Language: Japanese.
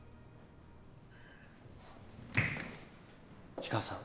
氷川さん。